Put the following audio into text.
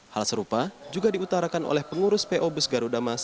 hal serupa juga diutarakan oleh pengurus po bus garut